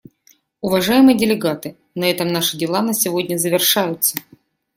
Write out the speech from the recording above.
Уважаемые делегаты, на этом наши дела на сегодня завершаются.